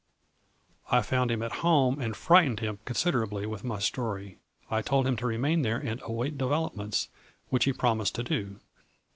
I found him at home and frightened him considerably with my story. I told him to remain there and await developments, which he promised to do.